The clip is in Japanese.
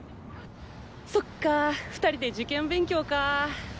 そっか２人で受験勉強か。